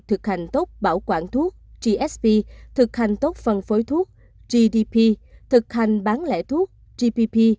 thực hành tốt bảo quản thuốc gsp thực hành tốt phân phối thuốc gdp thực hành bán lẻ thuốc gpp